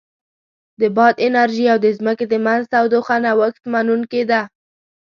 د باد انرژي او د ځمکې د منځ تودوخه نوښت منونکې ده.